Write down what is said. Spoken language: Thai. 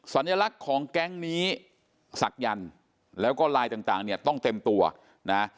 สัญลักษณ์ของแก๊งนี้ศักยันต์แล้วก็ลายต่างเนี่ยต้องเต็มตัวนะ